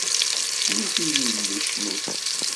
Cnut i Yillu, cnut!